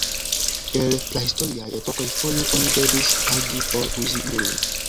El prahistoriaj epokoj foje oni devis pagi por uzi ilin.